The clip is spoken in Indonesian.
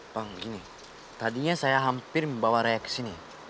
bang gini tadinya saya hampir membawa raya kesini